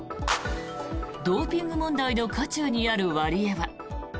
ドーピング問題の渦中にあるワリエワ。